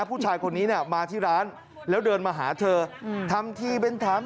ผู้ชายคนนี้เนี่ยมาที่ร้านแล้วเดินมาหาเธอทำทีเป็นถาม